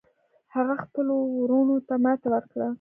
هغه خپلو وروڼو ته ماتې ورکړه.